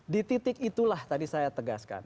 di titik itulah tadi saya tegaskan